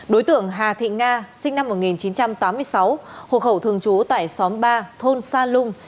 đối tượng hà thị nga sinh năm một nghìn chín trăm tám mươi sáu hộ khẩu thường trú tại xóm ba thôn sa lung